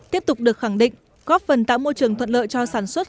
tiếp tục được khẳng định góp phần tạo môi trường thuận lợi cho sản xuất